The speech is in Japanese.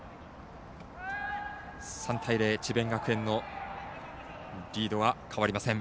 ３対０、智弁学園のリードは変わりません。